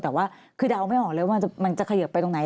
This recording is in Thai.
แต่ว่าคือเดาไม่ออกเลยว่ามันจะเขยิบไปตรงไหน